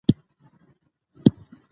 بیا هماغه تېروتنې مه تکراروئ.